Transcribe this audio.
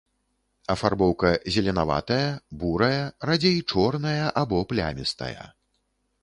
Афарбоўка зеленаватая, бурая, радзей чорная або плямістая.